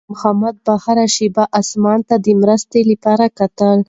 خیر محمد به هره شېبه اسمان ته د مرستې لپاره کتل.